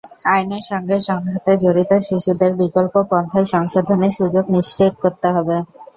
আইনের সঙ্গে সংঘাতে জড়িত শিশুদের বিকল্প পন্থায় সংশোধনের সুযোগ নিশ্চিত করতে হবে।